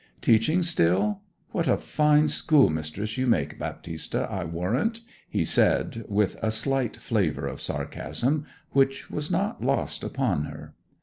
'Teaching still? What a fine schoolmistress you make, Baptista, I warrant!' he said with a slight flavour of sarcasm, which was not lost upon her.